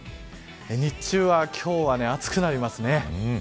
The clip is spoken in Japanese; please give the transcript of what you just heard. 日中は、今日は暑くなります。